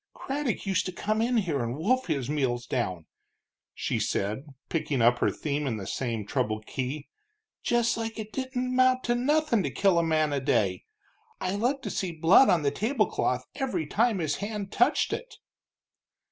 "Craddock used to come in here and wolf his meals down," she said, picking up her theme in the same troubled key, "just like it didn't amount to nothing to kill a man a day. I looked to see blood on the tablecloth every time his hand touched it."